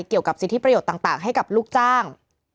เกี่ยวกับสิทธิประโยชน์ต่างให้กับลูกจ้าง